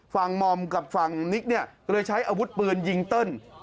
มอมกับฝั่งนิกเนี่ยก็เลยใช้อาวุธปืนยิงเติ้ล